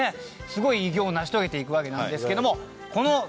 すごい偉業を成し遂げていくわけなんですけども。